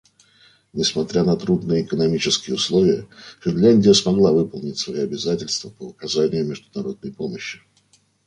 Несмотря на трудные экономические условия, Финляндия смогла выполнить свои обязательства по оказанию международной помощи.